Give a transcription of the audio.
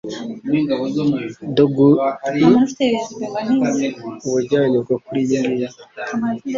dukunze gutegura imyigaragambyo rusange yo gushyigikira imfungwa za politiki